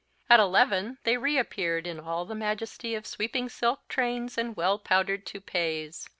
At eleven they reappeared in all the majesty of sweeping silk trains and well powdered toupees.